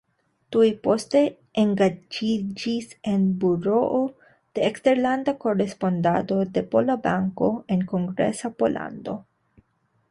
Tuj poste engaĝiĝis en buroo de eksterlanda korespondado de Pola Banko en Kongresa Pollando.